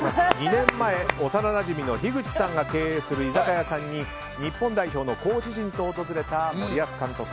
２年前、幼なじみの樋口さんが経営する居酒屋さんに日本代表のコーチ陣と訪れた森保監督。